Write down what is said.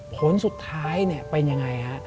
ผลสุดท้ายเป็นยังไงฮะ